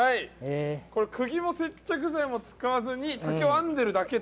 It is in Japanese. くぎも接着剤も使わずに竹を編んでるだけと。